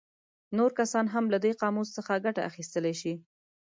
نور کسان هم له دې قاموس څخه ګټه اخیستلی شي.